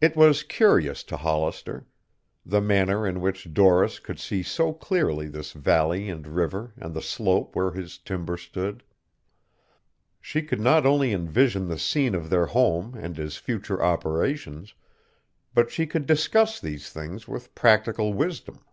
It was curious to Hollister, the manner in which Doris could see so clearly this valley and river and the slope where his timber stood. She could not only envision the scene of their home and his future operations, but she could discuss these things with practical wisdom.